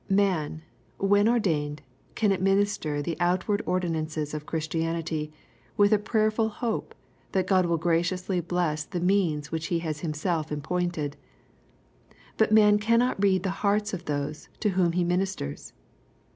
Man, when ordained, can administer the outward ordinances of Christianity, with a prayerful hope, that God will graciously bless the means which he has Him self appointed. But man cannot read the hearts of those to whom he ministers.